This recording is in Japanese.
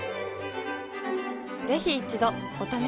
ぜひ一度お試しを。